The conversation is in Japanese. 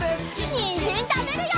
にんじんたべるよ！